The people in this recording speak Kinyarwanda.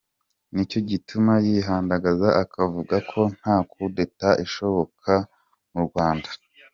Ni cyo gituma yihandagaza akavuga ko nta Coup d’etat ishoboka mu Rwanda.